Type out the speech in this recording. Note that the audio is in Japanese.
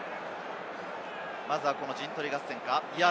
まずは陣取り合戦か？